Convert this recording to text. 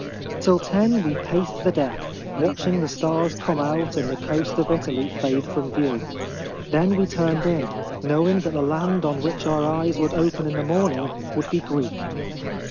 Till ten we paced the deck, watching the stars come out and the coast of Italy fade from view. Then we turned in, knowing that the land on which our eyes would open in the morning would be Greek.